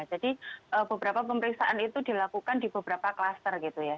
jadi beberapa pemeriksaan itu dilakukan di beberapa klaster gitu ya